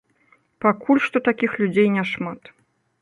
Пакуль што такіх людзей няшмат.